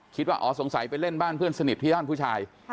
คิดว่าอ๋อสงสัยไปเล่นบ้านเพื่อนสนิทที่ย่านผู้ชาย